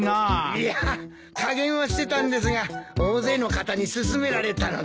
いやあ加減はしてたんですが大勢の方に勧められたので。